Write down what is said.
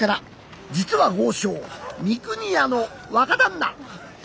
実は豪商三国屋の若旦那！